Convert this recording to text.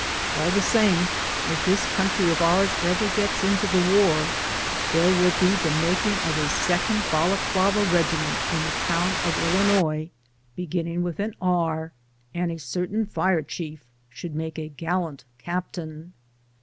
AU the same, if this country of ours ever gets into the war there will be the making of a second Balaklava regiment in a town of Illinois beginning with an B and a certain fire chief should make a gallant captain.